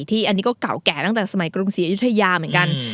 อันนี้ก็เก่าแก่ตั้งแต่สมัยกรุงศรีอยุธยาเหมือนกัน